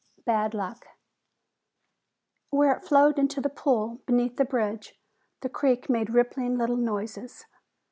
BAD LUCK Where it flowed into the pool beneath the bridge, the creek made rippling little noises.